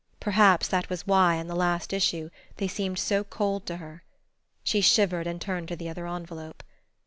Perhaps that was why, in the last issue, they seemed so cold to her.... She shivered and turned to the other envelope.